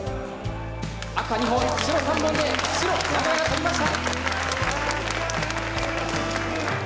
赤２本白３本で白名古屋が取りました。